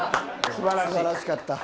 素晴らしかった。